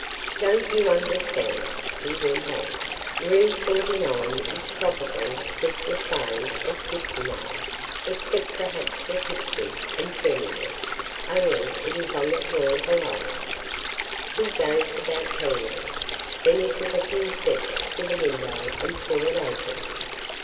"Don't you understand?" he went on. "Room forty nine is probably just the same as fifty nine, except perhaps the pictures and furniture, only it is on the floor below." He gazed about keenly. Then he took a few steps to the window and threw it open.